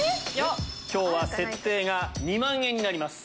今日は設定が２万円になります。